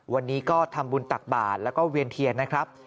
วันนี้ก็ทำบุญตักบาทแล้วก็เวียนเทียนนะครับ